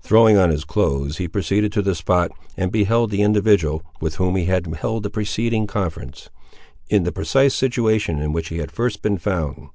Throwing on his clothes he proceeded to the spot, and beheld the individual, with whom he had held the preceding conference, in the precise situation in which he had first been found.